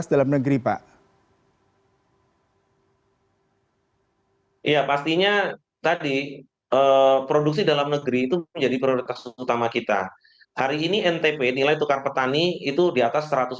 hari ini ntp nilai tukar petani itu di atas satu ratus empat